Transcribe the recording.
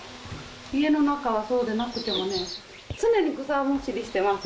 家の中はそうでなくてもね常に草むしりしてます